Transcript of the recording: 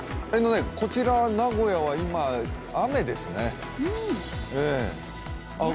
こちら名古屋は今、雨ですね。